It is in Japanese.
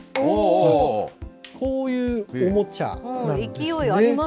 こういうおもちゃなんですね。